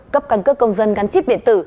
cấp căn cước công dân gắn chip điện tử